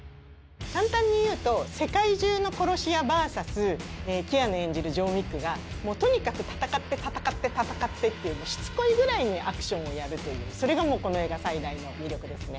簡単に言うと世界中の殺し屋ＶＳキアヌ演じるジョン・ウィックがとにかく戦って戦って戦ってっていうしつこいぐらいにアクションをやるというそれがこの映画最大の魅力ですね。